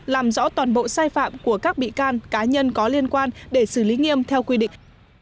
làm rõ toàn bộ sai phạm của các bị can cá nhân có liên quan để xử lý nghiêm theo quy định